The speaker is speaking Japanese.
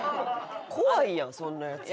怖いやんそんなヤツ。